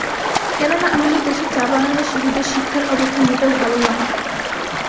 কেননা, আমাদের দেশের চা বাগানের শিশুদের শিক্ষার অবস্থা মোটেও ভালো নয়।